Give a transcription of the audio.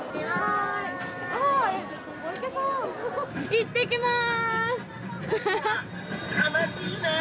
いってきます！